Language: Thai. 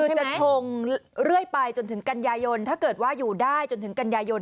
คือจะชงเรื่อยไปจนถึงกันยายนถ้าเกิดว่าอยู่ได้จนถึงกันยายน